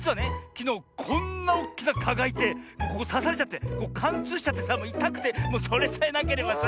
きのうこんなおっきな「か」がいてここさされちゃってかんつうしちゃってさもういたくてもうそれさえなければさ。